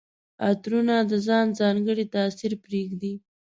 عطرونه د ځان ځانګړی تاثر پرېږدي.